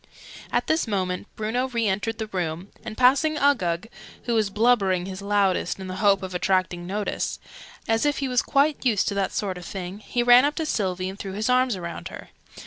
At this moment Bruno re entered the room, and passing Uggug (who was blubbering his loudest, in the hope of attracting notice) as if he was quite used to that sort of thing, he ran up to Sylvie and threw his arms round her.